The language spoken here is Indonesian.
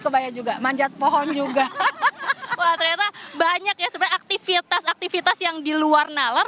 kebaya juga manjat pohon juga hahaha banyak ya sebagai aktivitas aktivitas yang diluar nalar